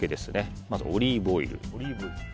まずはオリーブオイル。